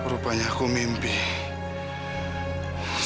nampaknya aku memimpin